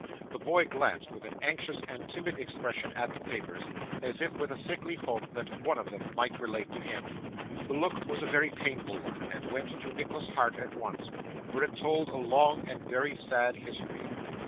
The boy glanced, with an anxious and timid expression, at the papers, as if with a sickly hope that one among them might relate to him. The look was a very painful one, and went to Nicholas's heart at once; for it told a long and very sad history.